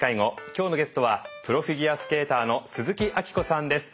今日のゲストはプロフィギュアスケーターの鈴木明子さんです。